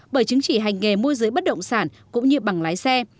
bởi chứng chỉ hành nghề môi giới bất động sản cũng như bằng lái xe